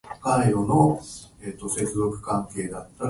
そういう日もあるよね